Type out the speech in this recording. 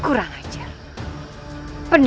aku akan mencintai anak anak buka